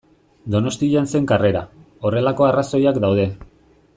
Donostian zen karrera, horrelako arrazoiak daude.